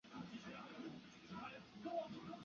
擅长画花鸟画和山水画。